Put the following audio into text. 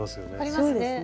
そうですね。